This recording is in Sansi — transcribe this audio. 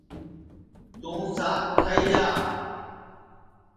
توںساک اوٹھائی جا